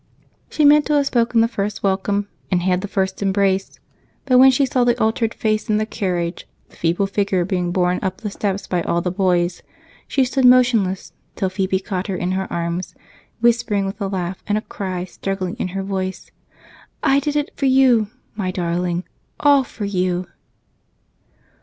She meant to have spoken the first welcome and had the first embrace, but when she saw the altered face in the carriage, the feeble figure being borne up the steps by all the boys, she stood motionless till Phebe caught her in her arms, whispering with a laugh and a cry struggling in her voice: "I did it for you, my darling, all for you!"